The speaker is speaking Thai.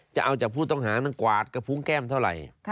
จะเอาจากผู้ต้องหานั้นกวาดกระฟุ้งแก้มเท่าไหร่